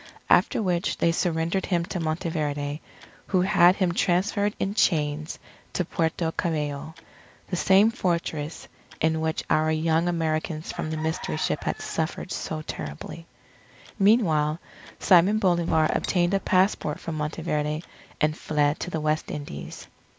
After which they surrendered him to Monteverde, who had him transferred in chains to Puerto Cabello, the same Fortress in which our young Americans from the Mystery Ship had suffered so terribly. Meanwhile, Simon Bolivar obtained a passport from Monteverde and fled to the West Indies.